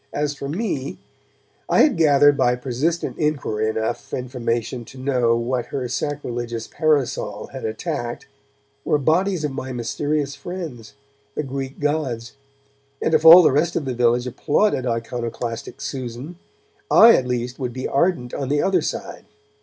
As for me, I had gathered by persistent inquiry enough information to know that what her sacrilegious parasol had attacked were bodies of my mysterious friends, the Greek gods, and if all the rest of the village applauded iconoclastic Susan, I at least would be ardent on the other side.